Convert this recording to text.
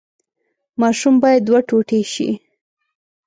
ماشوم باید دوه ټوټې شي.